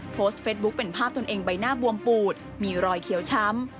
โพสต์เฟซบุ๊คเป็นภาพตนเองใบหน้าบวมปูดมีรอยเขียวช้ำ